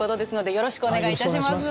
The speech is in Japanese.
よろしくお願いします。